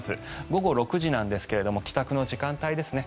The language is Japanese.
午後６時なんですが帰宅の時間帯ですね。